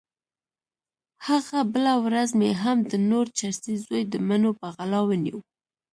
هغه بله ورځ مې هم د نور چرسي زوی د مڼو په غلا ونيو.